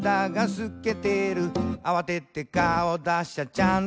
「あわてて顔だしゃちゃんとある」